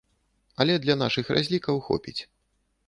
Але для нашых разлікаў хопіць.